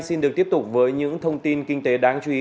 xin được tiếp tục với những thông tin kinh tế đáng chú ý